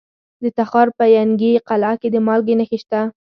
د تخار په ینګي قلعه کې د مالګې نښې شته.